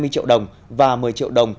hai mươi triệu đồng và một mươi triệu đồng